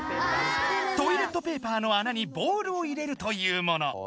トイレットペーパーの穴にボールを入れるというもの。